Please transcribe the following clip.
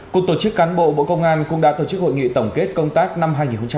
cục tổ chức cán bộ bộ công an cũng đã tổ chức hội nghị tổng kết công tác năm hai nghìn hai mươi ba